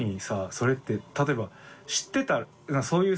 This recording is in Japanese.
それって例えば知ってたらそういうさ。